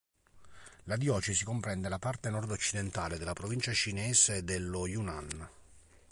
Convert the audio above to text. La diocesi comprende la parte nord-occidentale della provincia cinese dello Hunan.